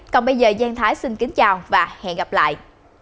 còn bây giờ giang thái xin kính chào và hẹn gặp lại